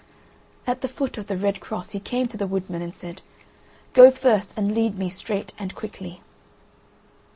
At the foot of the red cross he came to the woodman and said: "Go first, and lead me straight and quickly."